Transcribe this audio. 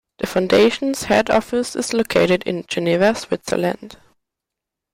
The Foundation's head office is located in Geneva, Switzerland.